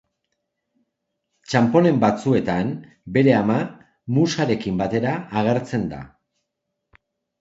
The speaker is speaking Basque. Txanponen batzuetan, bere ama Musarekin batera agertzen da.